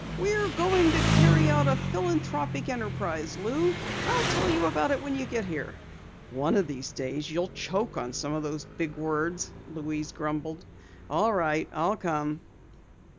"We're going to carry out a philanthropic enterprise, Lou! I'll tell you about it when you get here!" "One of these days you'll choke on some of those big words," Louise grumbled. "All right, I'll come."